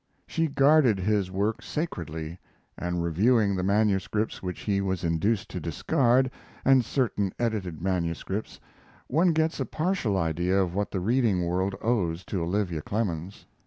She guarded his work sacredly; and reviewing the manuscripts which he was induced to discard, and certain edited manuscripts, one gets a partial idea of what the reading world owes to Olivia Clemens.